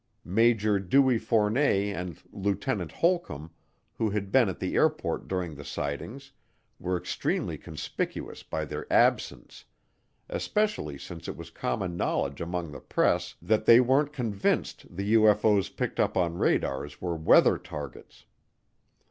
Major Dewey Fournet and Lieutenant Holcomb, who had been at the airport during the sightings, were extremely conspicuous by their absence, especially since it was common knowledge among the press that they weren't convinced the UFO's picked up on radars were weather targets.